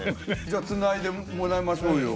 じゃあつないでもらいましょうよ。